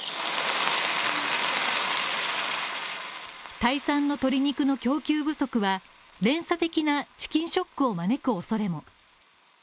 タイ産の鶏肉の供給不足は、連鎖的なチキンショックを招く恐れも。